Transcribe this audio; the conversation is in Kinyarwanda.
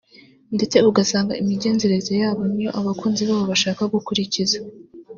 ndetse ugasanga imigenzereze yabo niyo abakunzi babo bashaka gukurikiza